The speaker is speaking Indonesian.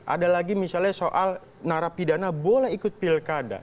ada lagi misalnya soal narapidana boleh ikut pilkada